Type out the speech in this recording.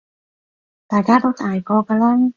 大家都大個㗎喇